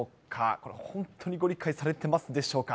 これ本当にご理解されてますでしょうか。